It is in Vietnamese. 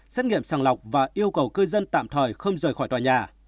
xét nghiệm sàng lọc và yêu cầu cư dân tạm thời không rời khỏi tòa nhà